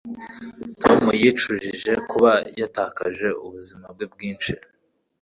Tom yicujije kuba yatakaje ubuzima bwe bwinshi